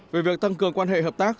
về việc tăng cường quan hệ hợp tác